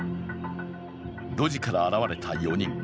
路地から現れた４人。